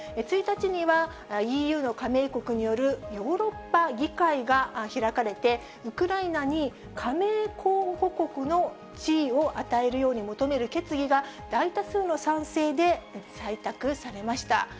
１日にはＥＵの加盟国によるヨーロッパ議会が開かれて、ウクライナに加盟候補国の地位を与えるように求める決議が、大多数の賛成で採択されました。